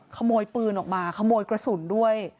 ขโมยปืนออกมาขโมยกระสุนด้วย